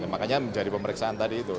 makanya menjadi pemeriksaan tadi itu